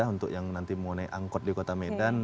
untuk yang nanti mau naik angkot di kota medan